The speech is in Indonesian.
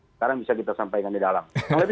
sekarang bisa kita sampaikan di dalam